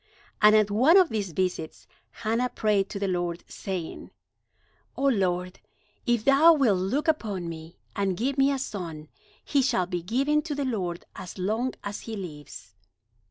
And at one of these visits Hannah prayed to the Lord, saying: "O Lord, if thou wilt look upon me, and give me a son, he shall be given to the Lord as long as he lives."